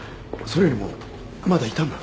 それよりもまだ痛む？